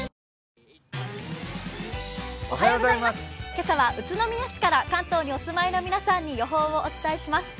今朝は宇都宮市から関東にお住まいの皆さんに予報をお伝えします。